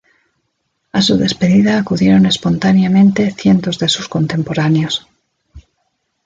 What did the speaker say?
A su despedida acudieron espontáneamente cientos de sus contemporáneos.